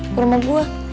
ke rumah gue